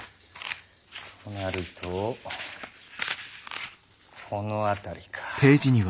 となるとこの辺りか。